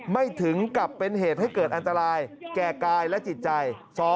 ไม่ถึงกับเป็นเหตุให้เกิดอันตรายแก่กายและจิตใจ